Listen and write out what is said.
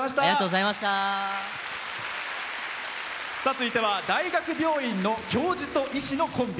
続いては大学病院の教授と医師のコンビ。